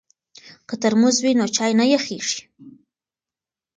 که ترموز وي نو چای نه یخیږي.